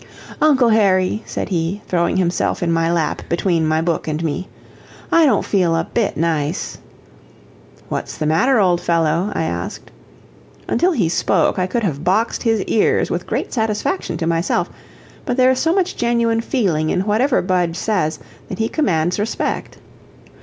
"Uncle Harry," said he, throwing himself in my lap between my book and me, "I don't feel a bit nice." "What's the matter, old fellow?" I asked. Until he spoke I could have boxed his ears with great satisfaction to myself; but there is so much genuine feeling in whatever Budge says that he commands respect.